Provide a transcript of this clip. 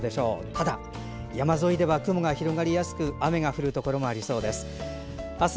ただ、山沿いでは雲が広がりやすく雨が降るところもありそうです。